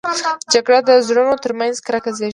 جګړه د زړونو تر منځ کرکه زېږوي